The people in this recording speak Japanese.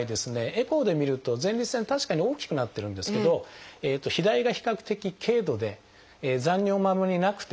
エコーで見ると前立腺確かに大きくなってるんですけど肥大が比較的軽度で残尿もあんまりなくてですね